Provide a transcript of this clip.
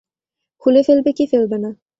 খুলে ফেলবে কি ফেলবে না।